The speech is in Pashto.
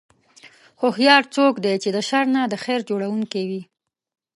هوښیار څوک دی چې د شر نه د خیر جوړوونکی وي.